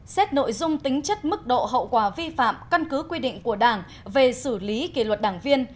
xét nội dung tính chất mức độ hậu quả vi phạm căn cứ quy định của đảng về xử lý kỷ luật đảng viên